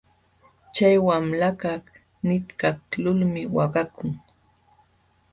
Chay wamlakaq nitkaqlulmi waqakun.